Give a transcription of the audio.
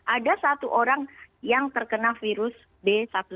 ada satu orang yang terkena virus b satu satu